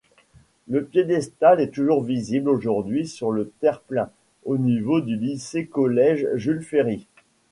Le piédestal est toujours visible aujourd’hui sur le terre-plein, au niveau du lycée-collège Jules-Ferry.